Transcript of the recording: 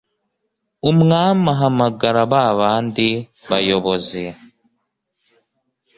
umwami ahamagara ba bandi bayobozi